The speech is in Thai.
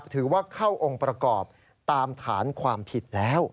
ถือว่าเข้าองค์ประกอบตามฐานความผิดแล้ว